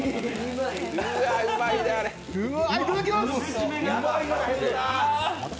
いただきます！